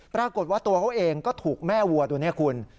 ปรากฏว่าตัวเขาเองก็ถูกแม่วัวตัวนี้คุณ